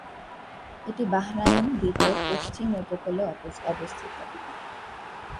এটি বাহরাইন দ্বীপের পশ্চিম উপকূলে অবস্থিত।